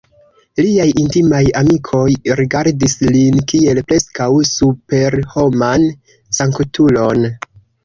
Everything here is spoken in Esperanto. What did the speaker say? Liaj intimaj amikoj rigardis lin kiel preskaŭ superhoman sanktulon.